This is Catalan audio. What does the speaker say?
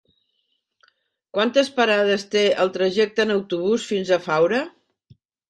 Quantes parades té el trajecte en autobús fins a Faura?